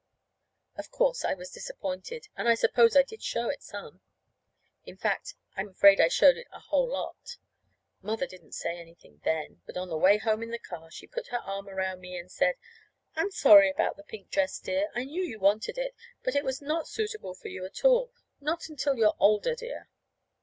Of course, I was disappointed, and I suppose I did show it some. In fact, I'm afraid I showed it a whole lot. Mother didn't say anything then; but on the way home in the car she put her arm around me and said: "I'm sorry about the pink dress, dear. I knew you wanted it. But it was not suitable at all for you not until you're older, dear."